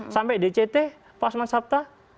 sampai dct pak osman sabta